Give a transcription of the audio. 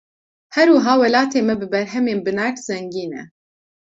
Her wiha welatê me bi berhemên binerd zengîn e.